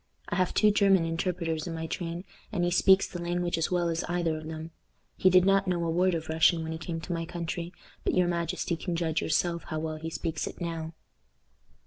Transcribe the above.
I have two German interpreters in my train, and he speaks the language as well as either of them. He did not know a word of Russian when he came to my country, but your majesty can judge yourself how well he speaks it now."